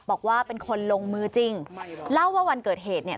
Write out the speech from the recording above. บอกว่าเป็นคนลงมือจริงเล่าว่าวันเกิดเหตุเนี่ย